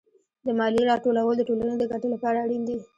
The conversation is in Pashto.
د مالیې راټولول د ټولنې د ګټې لپاره اړین دي.